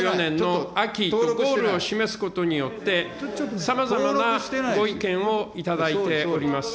秋、を示すことによって、さまざまなご意見を頂いております。